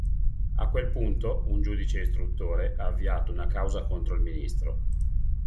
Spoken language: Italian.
A quel punto, un giudice istruttore ha avviato una causa contro il ministro.